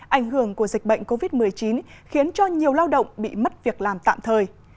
ảnh hưởng của dịch bệnh covid một mươi chín khiến cho nhiều lao động bị mất việc làm tạm thời